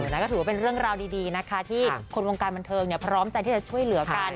แล้วก็ถือว่าเป็นเรื่องราวดีนะคะที่คนวงการบันเทิงพร้อมใจที่จะช่วยเหลือกัน